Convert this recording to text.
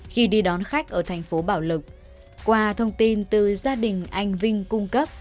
khi đi đón khách ở thành phố bảo lộc qua thông tin từ gia đình anh vinh cung cấp